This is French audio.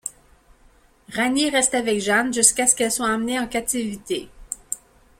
Rani reste avec Jeanne jusqu'à ce qu'elle soit emmenée en captivité.